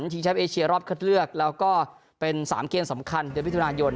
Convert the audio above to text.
ชีวิตชาติเอเชียรอฟเลือกแล้วก็เป็น๓เกณฑ์สำคัญเดือนวิทยาลายน